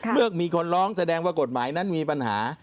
เมื่อมีคนร้องแสดงว่ากฎหมายนั้นมีปัญหา